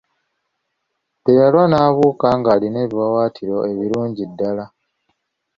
Teyalwa n'abuuka ng'alina ebiwaawaatiro ebirungi ddala.